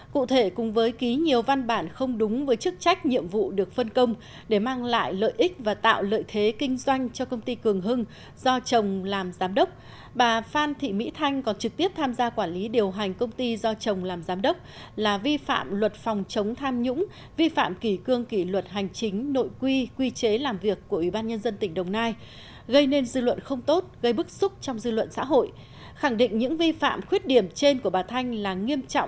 cụ thể cùng với ký nhiều văn bản không đúng với chức trách nhiệm vụ được phân công để mang lại lợi ích và tạo lợi thế kinh doanh cho công ty cường hưng do chồng làm giám đốc bà phan thị mỹ thanh còn trực tiếp tham gia quản lý điều hành công ty do chồng làm giám đốc là vi phạm luật phòng chống tham nhũng vi phạm kỳ cương kỳ luật hành chính nội quy quy chế làm việc của ủy ban nhân dân tỉnh đồng nai gây nên dư luận không tốt gây bức xúc trong dư luận xã hội khẳng định những vi phạm khuyết điểm trên của bà thanh là nghiêm trọng